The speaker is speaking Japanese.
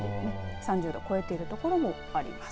３０度を超えている所もあります。